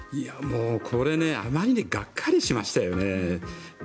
これあまりにがっかりしましたよね。